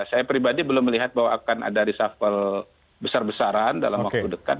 saya pribadi belum melihat bahwa akan ada reshuffle besar besaran dalam waktu dekat